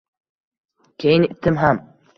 Keyin itim ham